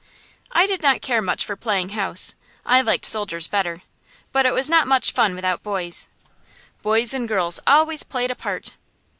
I did not care much for playing house. I liked soldiers better, but it was not much fun without boys. Boys and girls always played apart.